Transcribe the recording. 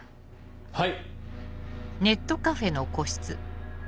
はい！